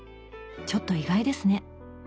ちょっと意外ですね。